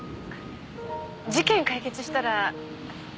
事件解決したら来て。